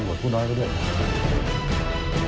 มีความรู้สึกว่ามีความรู้สึกว่า